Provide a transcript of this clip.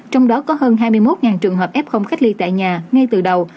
trong đó có hơn hai mươi một trường hợp f cách ly tại nhà ngay từ đầu